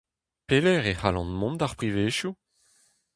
Pelec'h e c'hallan mont d'ar privezioù ?